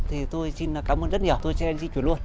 thì tôi xin cảm ơn rất nhiều tôi sẽ di chuyển luôn